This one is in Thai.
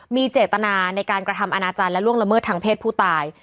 มีเจตนาในการกระทำอนาจารย์และล่วงละเมิดทางเพศผู้ตาย